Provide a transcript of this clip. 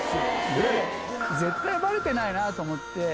絶対ばれてないなと思って。